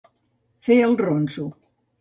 Fer el ronso.